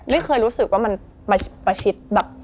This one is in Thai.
เคยรู้สึกว่ามันประชิดแบบ